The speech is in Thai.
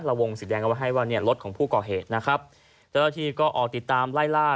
วงสีแดงเอาไว้ให้ว่าเนี่ยรถของผู้ก่อเหตุนะครับเจ้าหน้าที่ก็ออกติดตามไล่ล่า